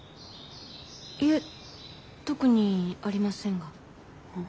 いえ特にありませんが。